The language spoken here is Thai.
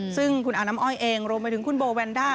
ซึ่งคุณอาน้ำอ้อยเองรวมไปถึงคุณโบแวนด้า